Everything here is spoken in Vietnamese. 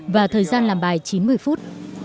và thời gian làm bài chín mươi phút